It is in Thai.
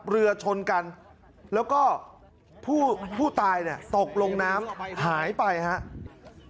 เรือชนกันแล้วก็ผู้ตายเนี่ยตกลงน้ำหายไปครับ